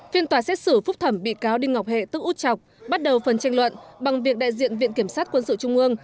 phiên tòa xét xử phúc thẩm bị cáo đinh ngọc hệ tức út chọc bắt đầu phần tranh luận bằng việc đại diện viện kiểm sát quân sự trung ương